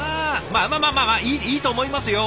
まあまあまあいいと思いますよ！